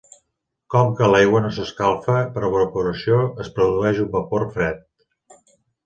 Com que l'aigua no s'escalfa per evaporació, es produeix un vapor fred.